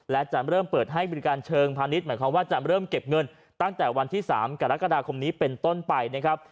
และจะเริ่มเปิดให้บริการเชิงพาณิชย์หมายความว่าจะเริ่มเก็บเงินตั้งแต่วันที่๓กรกฎาคมนี้เป็นต้นไปนะครับ